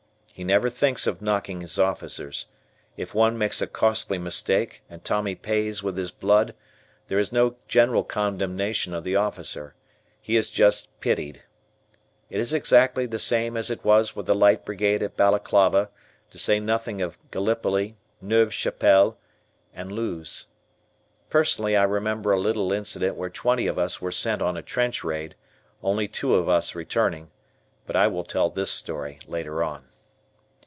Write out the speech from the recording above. He never thinks of knocking his officers. If one makes a costly mistake and Tommy pays with his blood, there is no general condemnation of the officer. He is just pitied. It is exactly the same as it was with the Light Brigade at Balaclava, to say nothing of Gallipoli, Neuve Chapelle, and Loos. Personally I remember a little incident where twenty of us were sent on a trench raid, only two of us returning, but I will tell this story later on.